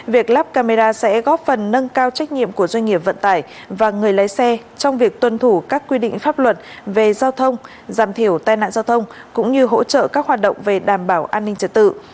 việc lắp camera sẽ góp phần nâng cao trách nhiệm của doanh nghiệp vận tải và người lấy xe trong việc tuân thủ các quy định pháp luật về giao thông giảm thiểu tai nạn giao thông cũng như hỗ trợ các hoạt động về đảm bảo an ninh trật tự